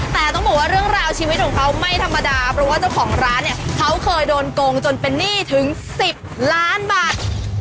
แต่ต้องบอกว่าเรื่องราวชีวิตของเขาไม่ธรรมดาเพราะว่าเจ้าของร้านเนี่ยเขาเคยโดนโกงจนเป็นหนี้ถึง๑๐ล้านบาท